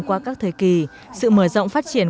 qua các thời kỳ sự mở rộng phát triển